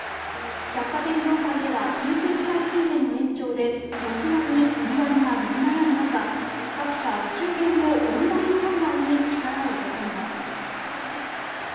百貨店業界では緊急事態宣言の延長で軒並み売り上げが伸び悩む中各社、お中元のオンライン販売に力を入れています。